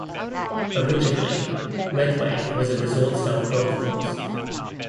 Originally, Redway was a resort style golf course.